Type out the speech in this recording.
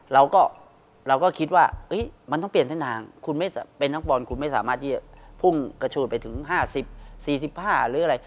เราก็เราก็คิดว่ามันต้องเปลี่ยนเส้นทางคุณไม่เป็นนักบอลคุณไม่สามารถที่จะพุ่งกระโชดไปถึง๕๐๔๕หรืออะไร